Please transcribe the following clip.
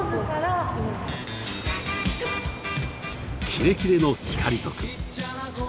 キレキレの光族。